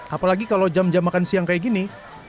apalagi kalau jam jam makan siang kayak gini